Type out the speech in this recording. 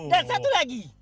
dan satu lagi